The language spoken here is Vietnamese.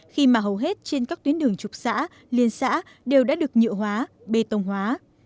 khi mà hầu hết trên các tuyến đường trục xã liên xã đều đã được nhựa hóa bê tông hóa